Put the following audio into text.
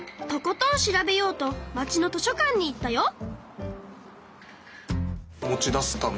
とことん調べようと町の図書館に行ったよ。